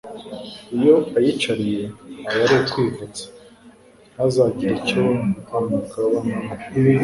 iyo ayicariye aba ari ukwivutsa ntazagire icyo amugabanaho